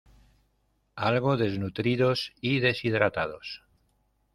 algo desnutridos y deshidratados